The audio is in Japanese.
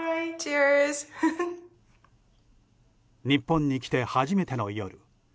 日本に来て初めての夜。